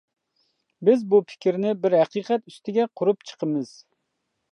بىز بۇ پىكىرنى بىر ھەقىقەت ئۈستىگە قۇرۇپ چىقىمىز.